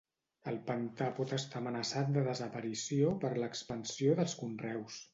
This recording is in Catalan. El pantà pot estar amenaçat de desaparició, per l'expansió dels conreus.